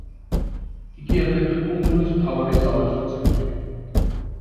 იგი აგრეთვე კუნძულის მთავარი სავაჭრო ცენტრია.